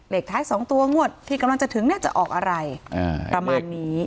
เลขท้าย๒ตัวงวดที่กำลังจะถึงเนี่ยจะออกอะไรประมาณนี้